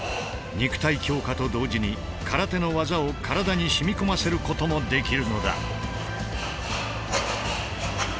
肉体強化と同時に空手の技を体に染み込ませることもできるのだ。